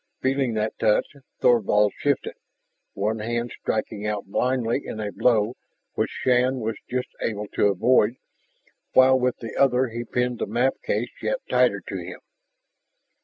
Feeling that touch Thorvald shifted, one hand striking out blindly in a blow which Shann was just able to avoid while with the other he pinned the map case yet tighter to him.